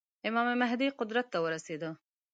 امام مهدي قدرت ته ورسېدی.